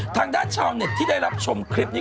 ทางด้านชาวเน็ตที่ได้รับชมคลิปนี้